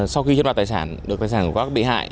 sau khi chế đội tài sản được tài sản của các bị hại